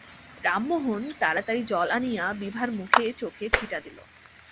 রামমোহন তাড়াতাড়ি জল আনিয়া বিভার মুখে-চোখে ছিটা দিল।